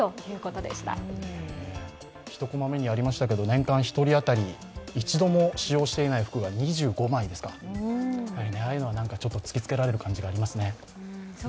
年間１人あたり一度も使用していない服が２５枚ですか、ああいうのは突きつけられる感じがありますね。